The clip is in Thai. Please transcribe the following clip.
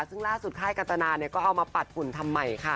ซึ่งล่าสุดค่ายกัตนาก็เอามาปัดฝุ่นทำใหม่ค่ะ